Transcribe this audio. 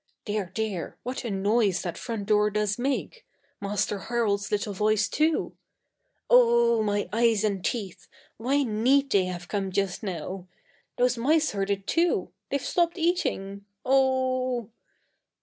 Dear, dear! What a noise that front door does make. Master Harold's little voice, too Oh, my eyes and teeth! Why need they have come just now? Those mice heard it, too they've stopped eating. Oh h h!